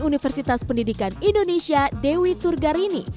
universitas pendidikan indonesia dewi turgarini